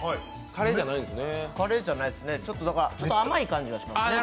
カレーじゃないですね、ちょっと甘い感じがしますね。